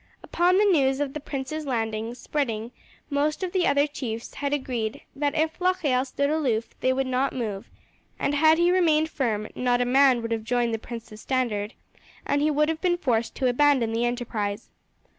Upon the news of the prince's landing spreading, most of the other chiefs had agreed that if Locheil stood aloof they would not move; and had he remained firm not a man would have joined the prince's standard, and he would have been forced to abandon the enterprise.